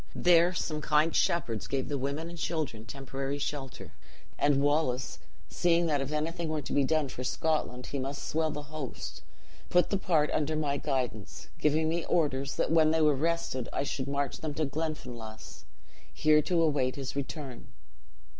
There some king shepherds gave the woman and children temporary shelter; and Wallace, seeing that if anything were to be done for Scotland, he must swell the host, put the part under my guidance, giving me orders that when they were rested I should march them to Glenfinlass, here to await his return.